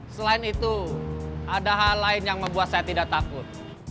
selain itu ada hal lain yang membuat saya tidak takut